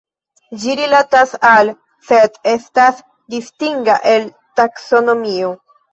Ĝi rilatas al, sed estas distinga el taksonomio.